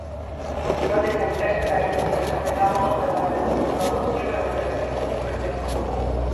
როდესაც პერსონაჟის სიცოცხლე გაუტოლდება ნულს, როგორც ჩვეულებრივ ის კვდება.